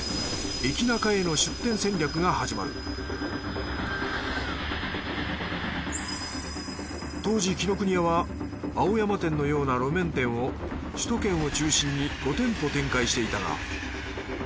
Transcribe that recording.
駅ナカへの出店戦略が始まる当時紀ノ国屋は青山店のような路面店を首都圏を中心に５店舗展開していたが。